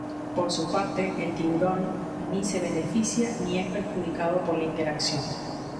Por su parte, el tiburón ni se beneficia ni es perjudicado por la interacción.